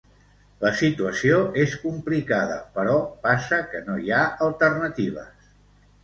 La situació és complicada, però passa que no hi ha alternatives.